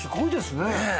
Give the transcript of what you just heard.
ねえ。